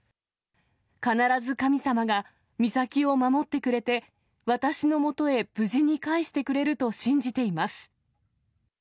必ず神様が美咲を守ってくれて、私のもとへ無事に返してくれると信じています。